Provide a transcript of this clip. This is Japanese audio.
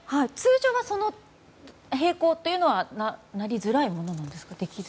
通常は平行というのはなりづらいものですか？